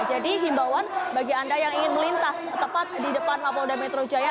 jadi himbauan bagi anda yang ingin melintas tepat di depan mapolda metro jaya